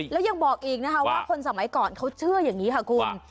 แล้วยังบอกอีกนะคะว่าคนสมัยก่อนเขาเชื่ออย่างนี้ค่ะคุณ